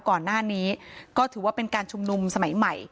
ก่อนหน้านี้ก็ถือว่าเป็นการชุมนุมสมัยใหม่